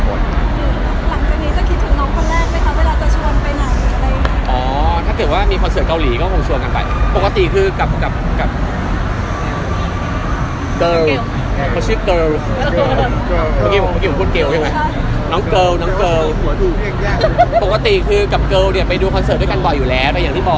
หลังตัวนี้จะคิดถึงน้องคนแรกไหมครับเวลาจะชวนไปไหนอะไรอย่างนี้